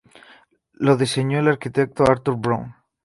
Lo diseñó el arquitecto Arthur Brown.